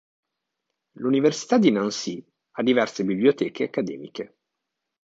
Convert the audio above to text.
L'Università di Nancy ha diverse biblioteche accademiche.